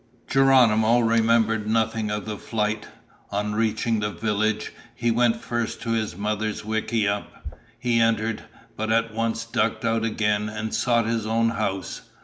Geronimo remembered nothing of the flight. On reaching the village, he went first to his mother's wickiup. He entered, but at once ducked out again and sought his own house.